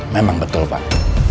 memang betul pak